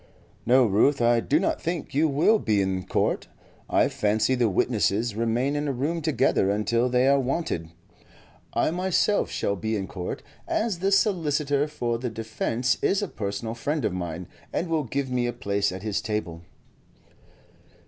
"No, Ruth, I do not think you will be in court. I fancy the witnesses remain in a room together until they are wanted. I myself shall be in court, as the solicitor for the defence is a personal friend of mine, and will give me a place at his table."